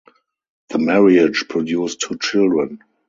The marriage produced two children.